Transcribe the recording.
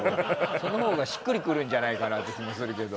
そのほうがしっくりくるんじゃないかなって気もするけど。